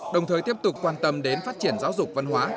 đồng thời tiếp tục quan tâm đến phát triển giáo dục văn hóa